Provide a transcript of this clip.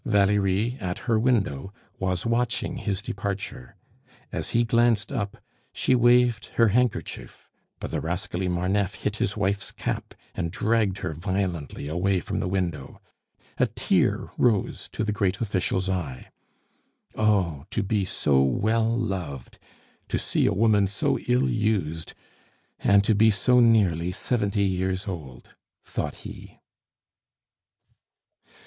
Valerie, at her window, was watching his departure; as he glanced up, she waved her handkerchief, but the rascally Marneffe hit his wife's cap and dragged her violently away from the window. A tear rose to the great official's eye. "Oh! to be so well loved! To see a woman so ill used, and to be so nearly seventy years old!" thought he.